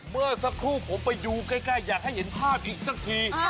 เมื่อสักครู่ผมไปดูใกล้อยากให้เห็นภาพอีกสักที